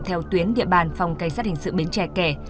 theo tuyến địa bàn phòng canh sát hình sự biến tre kẻ